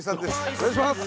お願いします！